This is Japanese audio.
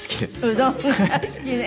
うどんが好きね。